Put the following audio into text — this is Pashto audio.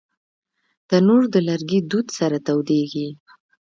تنور د لرګي دود سره تودېږي